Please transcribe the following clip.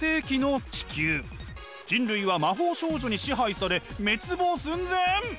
人類は魔法少女に支配され滅亡寸前！